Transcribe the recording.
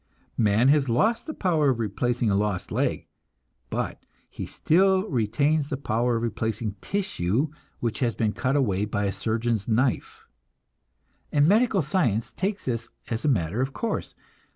Man has lost the power of replacing a lost leg, but he stills retains the power of replacing tissue which has been cut away by a surgeon's knife, and medical science takes this as a matter of course.